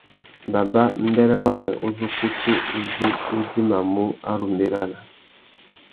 Baba, mbêrê wamê uzu ukutu u zu u idjimamú a ru mʼbérana.